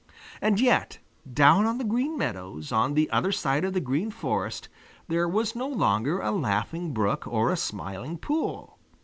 And yet down on the Green Meadows on the other side of the Green Forest there was no longer a Laughing Brook or a Smiling Pool.